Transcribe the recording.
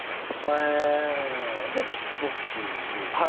はいキックボクシング。